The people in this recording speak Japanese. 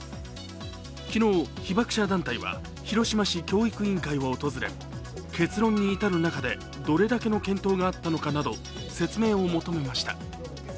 昨日被爆者団体は広島市教育委員会を訪れ、結論に至る中で、どれだけの検討があったかなど説明を求めました。